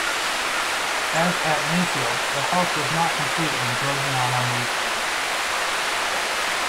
As at Mayfield, the house was not complete when Georgiana moved in.